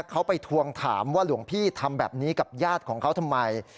เขาไปทวงถามว่าหลวงพี่ทำแบบนี้กับญาติของเขาทำไม